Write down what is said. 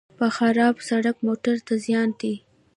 په خراب سړک موټر ته زیان دی.